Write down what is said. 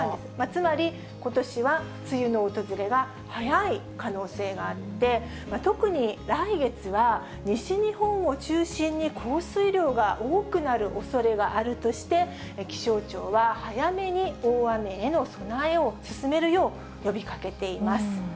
つまり、ことしは梅雨の訪れが早い可能性があって、特に来月は、西日本を中心に降水量が多くなるおそれがあるとして、気象庁は早めに大雨への備えを進めるよう呼びかけています。